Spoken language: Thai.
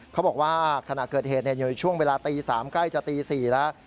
เขาบอกว่าขณะเกิดเหตุอยู่ช่วงเวลาตี๓ใกล้จะตี๔แล้ว